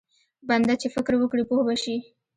بنده چې فکر وکړي پوه به شي.